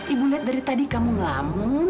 ibu lihat dari tadi kamu ngelamu